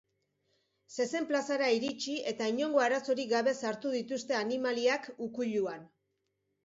Zezen plazara iritsi eta inongo arazorik gabe sartu dituzte animaliak ukuiluan.